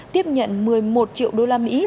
tiếp nhận một mươi một triệu usd